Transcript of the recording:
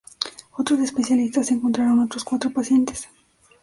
Otros especialistas encontraron otros cuatro pacientes.